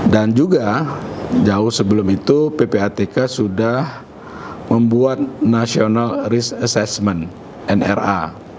dan juga jauh sebelum itu ppatk sudah membuat national risk assessment nra